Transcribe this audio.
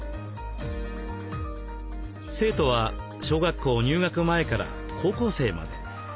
生徒は小学校入学前から高校生まで。